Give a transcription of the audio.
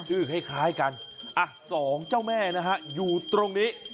คล้ายกันอ่ะสองเจ้าแม่นะฮะอยู่ตรงนี้